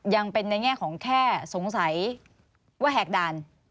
ยังเป็นในแง่ของแค่สงสัยว่าแหกด่าน